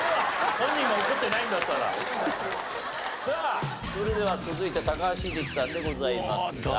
さあそれでは続いて高橋英樹さんでございますが。